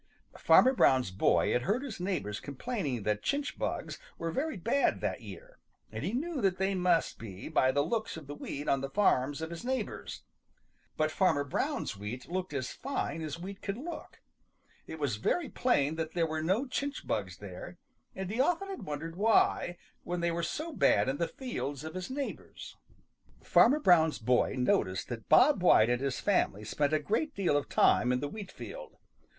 Farmer Brown's boy had heard his neighbors complaining that chinch bugs were very bad that year, and he knew that they must be by the looks of the wheat on the farms of his neighbors. But Farmer Brown's wheat looked as fine as wheat could look. It was very plain that there were no chinch bugs there, and he often had wondered why, when they were so bad in the fields of his neighbors. Farmer Brown's boy noticed that Bob White and his family spent a great deal of time in the wheat field.